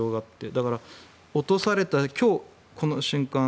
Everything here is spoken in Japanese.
だから、落とされた今日この瞬間